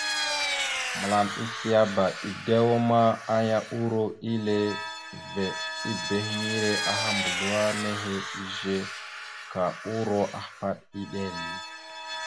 Mǝlam esleaba, dew ma, aya uro ille veɗ ebehiŋire aha mbazləwar nehe izze, ka uro ahpaɗ iɗel.